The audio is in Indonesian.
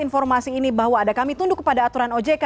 informasi ini bahwa ada kami tunduk kepada aturan ojk